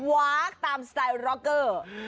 ว๊ากตามสไตล์โรคเกอร์